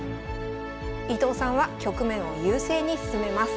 伊藤さんは局面を優勢に進めます。